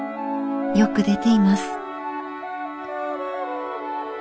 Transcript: よく出ています。